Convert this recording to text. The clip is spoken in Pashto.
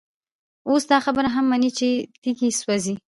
اوس دا خبره هم مني چي تيږي سوزي،